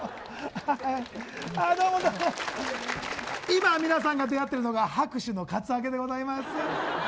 今、皆さんが出会ってるのが拍手のカツアゲでございます。